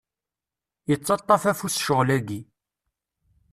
Yettaṭṭaf afus ccɣel-agi.